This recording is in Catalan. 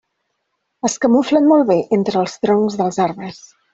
Es camuflen molt bé entre els troncs dels arbres.